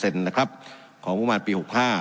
๒๓๗นะครับของงุมันปี๖๕